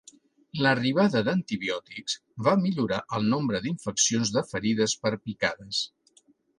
L'arribada d'antibiòtics va millorar el nombre d'infeccions de ferides per picades.